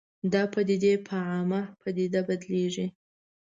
دا پدیدې په عامه پدیده بدلېږي